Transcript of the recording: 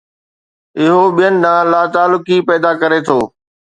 اهو ٻين ڏانهن لاتعلقي پيدا ڪري ٿو.